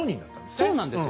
そうなんですよ。